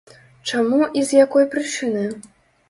Чаму і з якой прычыны?